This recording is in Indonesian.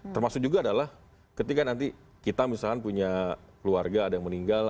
termasuk juga adalah ketika nanti kita misalnya punya keluarga ada yang meninggal